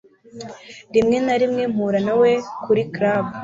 Rimwe na rimwe mpura nawe kuri club.